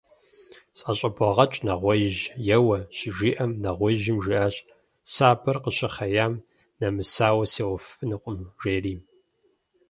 – СӀэщӀыбогъэкӀ, нэгъуеижь, еуэ, – щыжиӀэм нэгъуеижьым жиӀащ: «Сабэр къыщыхъеям нэмысауэ сеуэфынукъым», – жери.